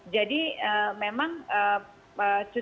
jadi memang cuti lebaran itu